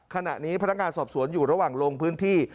ขณะนี้พนักงานสอบสวนอยู่ระหว่างลงพื้นที่